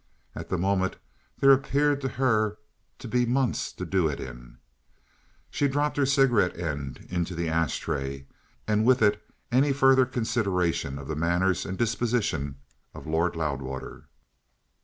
At the moment there appeared to her to be months to do it in. She dropped her cigarette end into the ash tray, and with it any further consideration of the manners and disposition of Lord Loudwater.